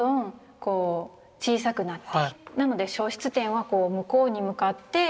なので消失点はこう向こうに向かって。